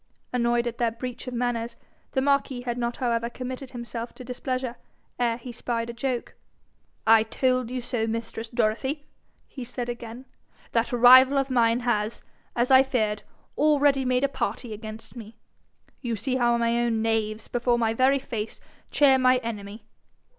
Annoyed at their breach of manners, the marquis had not however committed himself to displeasure ere he spied a joke: 'I told you so, mistress Dorothy!' he said again. 'That rival of mine has, as I feared, already made a party against me. You see how my own knaves, before my very face, cheer my enemy!